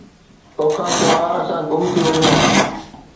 توکان سواءِ، اسان گم ٿي وڃون ها